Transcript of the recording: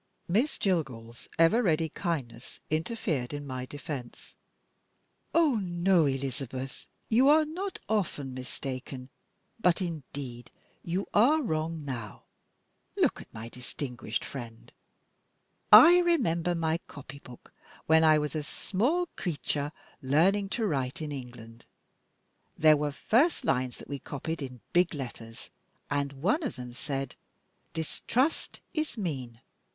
Miss Jillgall's ever ready kindness interfered in my defense: "Oh, no, Elizabeth! You are not often mistaken; but indeed you are wrong now. Look at my distinguished friend. I remember my copy book, when I was a small creature learning to write, in England. There were first lines that we copied, in big letters, and one of them said, 'Distrust Is Mean.